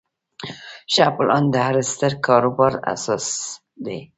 ښه پلان د هر ستر کاروبار اساس دی.